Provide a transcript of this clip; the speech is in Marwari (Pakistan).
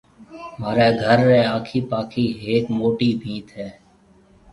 مهاريَ گهر ريَ آکِي پاکِي هيَڪ موٽِي ڀِيت هيَ۔